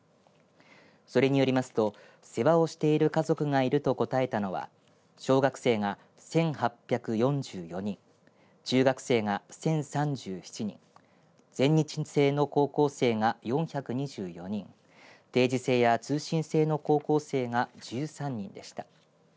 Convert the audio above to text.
それによりますと世話をしている家族がいると答えたのは小学生が１８４４人中学生が１０３７人全日制の高校生が４２４人定時制や通信制の高校生が１３人でした。